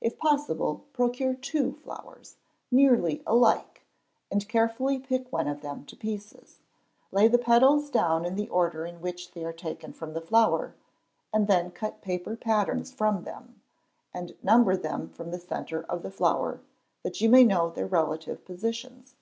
If possible, procure two flowers, nearly alike; and carefully pick one of them to pieces; lay the petals down in the order in which they are taken from the flower, and then cut paper patterns from them, and number them fron the centre of the flower, that you may know their relative positions.